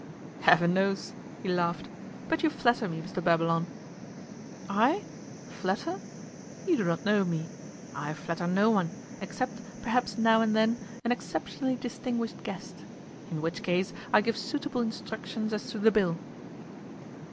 'Heaven knows,' he laughed, 'but you flatter me, Mr Babylon.' 'I? Flatter? You do not know me. I flatter no one, except, perhaps, now and then an exceptionally distinguished guest. In which case I give suitable instructions as to the bill.